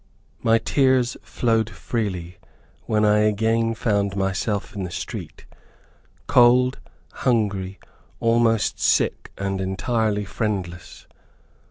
My tears flowed freely when I again found myself in the street, cold, hungry, almost sick, and entirely friendless.